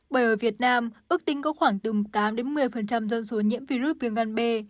bởi ở việt nam ước tính có khoảng từ tám một mươi dân số nhiễm virus viêm ngăn bê